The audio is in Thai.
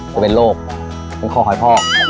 ก็เป็นโลกเป็นคอหอยพ่อ